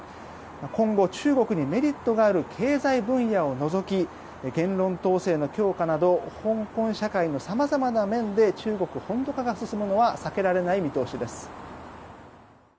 今後、中国にメリットがある経済分野を除き言論統制の強化など香港社会の様々な面で中国本土化が進むのは避けられない見通しです。